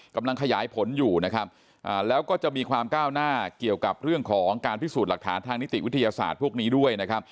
กำลังขยายผลอยู่นะครับแล้วก็จะมีความก้าวหน้าเกี่ยวกับเรื่องของการพิสูจน์หลักฐานทางนิติวิทยาศาสตร์พวกนี้ด้วยนะครับ